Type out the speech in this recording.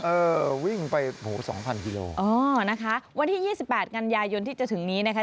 เออวิ่งไป๒๐๐๐กิโลลิตรวันที่๒๘กันยายนที่จะถึงนี้นะคะ